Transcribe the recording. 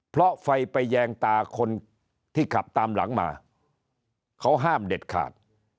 เพราะไฟไปแยงตาคนที่ขับตามหลังมาเขาห้ามเด็ดขาด